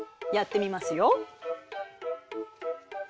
やってみますよ。